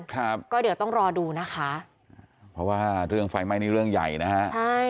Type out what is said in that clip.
ครับก็เดี๋ยวต้องรอดูนะคะเพราะว่าเรื่องไฟไหม้นี่เรื่องใหญ่นะฮะใช่